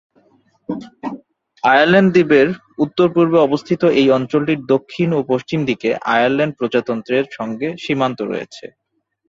Ireland দ্বীপের উত্তর-পূর্বে অবস্থিত এই অঞ্চলটির দক্ষিণ ও পশ্চিমদিকে আয়ারল্যান্ড প্রজাতন্ত্রের সঙ্গে সীমান্ত রয়েছে।